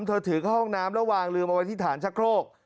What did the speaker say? เธอถือเข้าห้องน้ำแล้ววางลืมเอาไว้ที่ฐานชะโครก